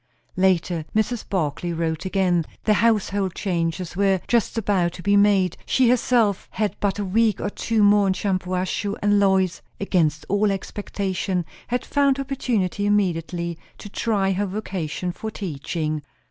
Later, Mrs. Barclay wrote again. The household changes were just about to be made; she herself had but a week or two more in Shampuashuh; and Lois, against all expectation, had found opportunity immediately to try her vocation for teaching.